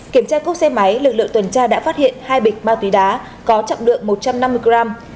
kiểm tra cốc xe máy lực lượng tuần tra đã phát hiện hai bịch ma túy đá có trọng lượng một trăm năm mươi gram